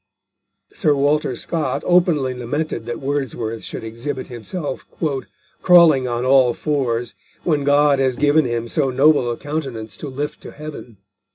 Sir Walter Scott openly lamented that Wordsworth should exhibit himself "crawling on all fours, when God has given him so noble a countenance to lift to heaven."